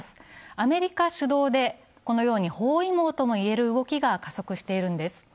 アメリカ主導でこのように包囲網とも言える動きが加速しているんです。